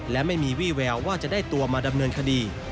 และไม่มีวี่แววว่าจะได้ตัวมาดำเนินคดี